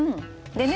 でね